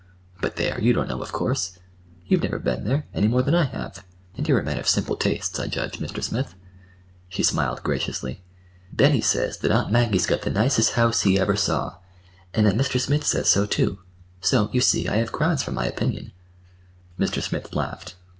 But there! You don't know, of course. You've never been there, any more than I have, and you're a man of simple tastes, I judge, Mr. Smith." She smiled graciously. "Benny says that Aunt Maggie's got the nicest house he ever saw, and that Mr. Smith says so, too. So, you see, I have grounds for my opinion." Mr. Smith laughed.